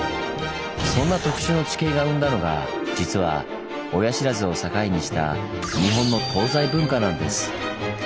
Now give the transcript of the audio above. そんな特殊な地形が生んだのが実は親不知を境にした日本の東西文化なんです。